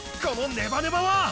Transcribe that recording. このネバネバは！